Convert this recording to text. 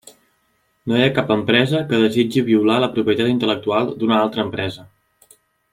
No hi ha cap empresa que desitgi violar la propietat intel·lectual d'una altra empresa.